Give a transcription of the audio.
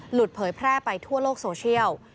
เผยแพร่ไปทั่วโลกโซเชียล